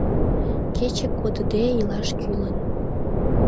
Кече кодыде илаш кӱлын.